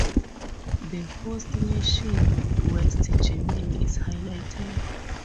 The host nation, West Germany, is highlighted.